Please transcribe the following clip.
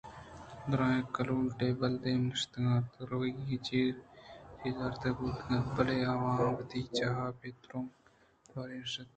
دُرٛاہیں کہول ٹبیل ءِ دیم ءَ نشتگ اَت ءُورگی چیز آرگ بوت انت بلئے آ وتی جاہءَ بے ترٛکءُ تواری نِشت